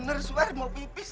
bener suar mau pipis